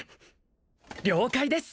了解です